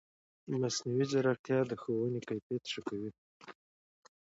مصنوعي ځیرکتیا د ښوونې کیفیت ښه کوي.